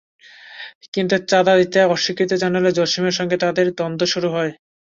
কিন্তু চাঁদা দিতে অস্বীকৃতি জানালে জসিমের সঙ্গে তাঁদের দ্বন্দ্ব শুরু হয়।